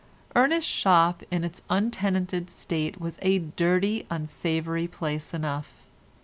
Ernest's shop in its untenanted state was a dirty unsavoury place enough.